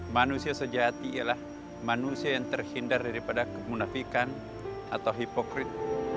manusia sejati ialah manusia yang terhindar daripada kemunafikan atau hipokrit